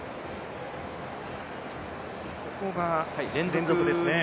ここが連続ですね。